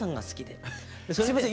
すみません